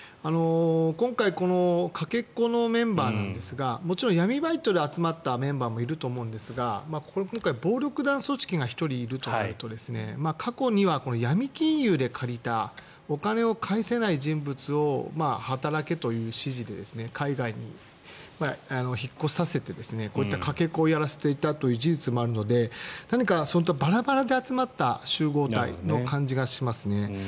今回このかけ子のメンバーなんですがもちろん闇バイトで集まったメンバーもいると思うんですが今回、暴力団組織が１人いるということで過去にはヤミ金融で借りたお金を返せない人物を働けという指示で海外に引っ越しさせてこういったかけ子をやらせていたという事実もあるので何か、そういったバラバラに集まった集合体の感じがしますね。